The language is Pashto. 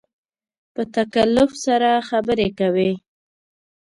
په تکلف سره خبرې کوې